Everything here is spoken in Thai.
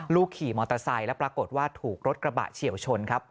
ขี่มอเตอร์ไซค์แล้วปรากฏว่าถูกรถกระบะเฉียวชนครับ